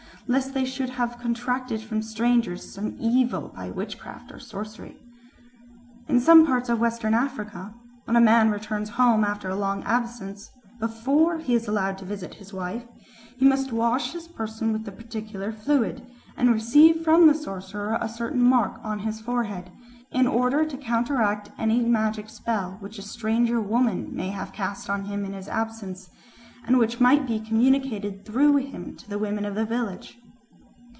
lest they should have contracted from strangers some evil by witchcraft or sorcery." In some parts of Western Africa, when a man returns home after a long absence, before he is allowed to visit his wife, he must wash his person with a particular fluid, and receive from the sorcerer a certain mark on his forehead, in order to counteract any magic spell which a stranger woman may have cast on him in his absence, and which might be communicated through him to the women of his village.